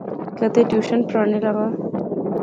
کیدے ٹیوشن پڑھانے لاغا